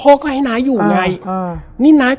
แล้วสักครั้งหนึ่งเขารู้สึกอึดอัดที่หน้าอก